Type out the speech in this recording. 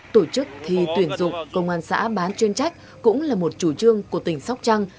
tổ chức thi tuyển dụng công an xã bán chuyên trách cũng là một chủ trương của tỉnh sóc trăng